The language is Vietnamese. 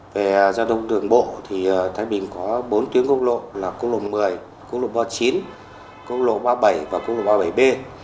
về giao thông đường bộ thì thái bình có bốn tuyến cốc lộ là cốc lộ một mươi cốc lộ ba mươi chín cốc lộ ba mươi bảy và cốc lộ ba mươi bảy b